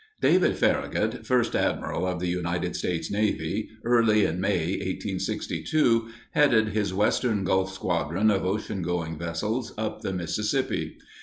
David Farragut, first admiral of the United States Navy, early in May 1862, headed his Western Gulf Squadron of oceangoing vessels up the Mississippi.